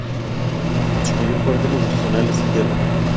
Su mayor aporte nutricional es el hierro.